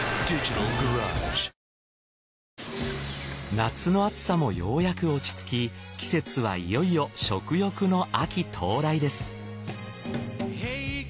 夏の暑さもようやく落ち着き季節はいよいよ食欲の秋到来です。